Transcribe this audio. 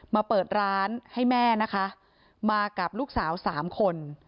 เปิดร้านให้แม่นะคะมากับลูกสาวสามคน